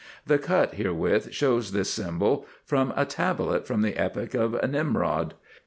The cut herewith shows this symbol from a tablet from the Epic of Nimrod.